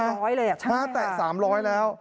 มาแตะ๓๐๐แล้วใช่ค่ะนี่นะฮะ